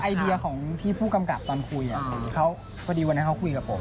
ไอเดียของพี่ผู้กำกับตอนคุยเขาพอดีวันนั้นเขาคุยกับผม